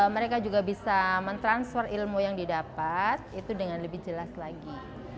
mereka juga bisa mentransfer ilmu yang didapat itu dengan lebih jelas lagi